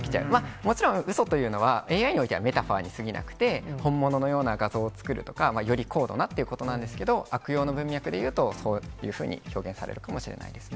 もちろんうそというのは、ＡＩにおいてはメタファーに過ぎなくて、本物のような画像を作るとか、より高度なということなんですけど、悪用の文脈でいうと、そういうふうに表現されるかもしれないですね。